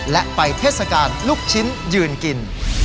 และไปเทศกาลลูกชิ้นยืนกิน